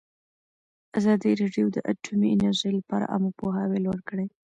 ازادي راډیو د اټومي انرژي لپاره عامه پوهاوي لوړ کړی.